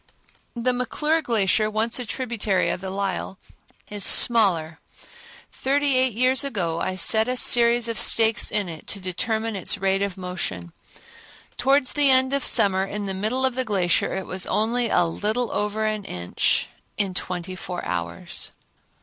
The McClure Glacier, once a tributary of the Lyell, is smaller. Thirty eight years ago I set a series of stakes in it to determine its rate of motion. Towards the end of summer in the middle of the glacier it was only a little over an inch in twenty four hours.